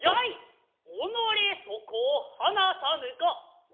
己そこを放さぬか。